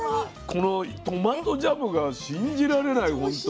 このトマトジャムが信じられないほんとに。